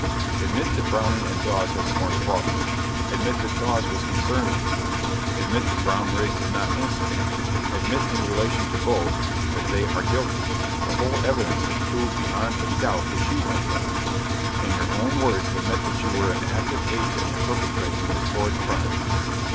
Admit that Brownrigg and Dawes have sworn falsely; admit that Dawes was concerned with you; admit that Brownrigg is not innocent; admit, in relation to both, that they are guilty, the whole evidence has proved beyond a doubt that you are guilty; and your own words admit that you were an active agent in perpetrating this horrid crime.